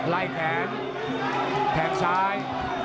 ไล่แขนแทงซ้าย